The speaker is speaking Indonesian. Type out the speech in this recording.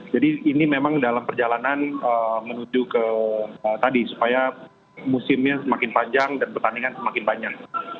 jadi ini memang dalam perjalanan menuju ke tadi supaya musimnya semakin panjang dan pertandingan semakin banyak